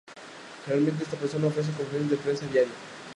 Generalmente esta persona ofrece conferencias de prensa a diario.